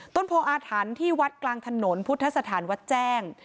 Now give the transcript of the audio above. โพออาถรรพ์ที่วัดกลางถนนพุทธสถานวัดแจ้ง